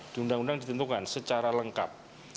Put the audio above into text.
di undang undang ditentukan secara lengkap